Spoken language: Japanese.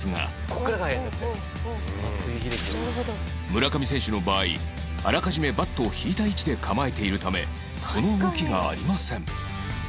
村上選手の場合あらかじめバットを引いた位置で構えているためその動きがありません